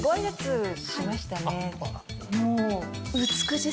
もう。